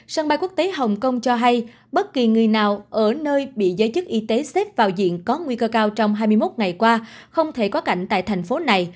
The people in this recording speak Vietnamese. sân bay quốc tế hồng kông cho hay bất kỳ người nào ở nơi bị giới chức y tế xếp vào diện có nguy cơ cao trong hai mươi một ngày qua không thể có cảnh tại thành phố này